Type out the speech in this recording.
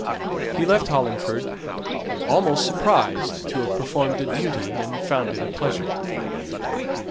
He left Hollingford, almost surprised to have performed a duty, and found it a pleasure.